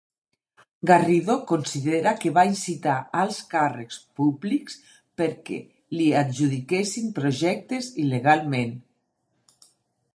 Garrido considera que va incitar alts càrrecs públics perquè li adjudiquessin projectes il·legalment.